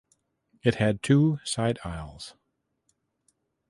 It had two side aisles.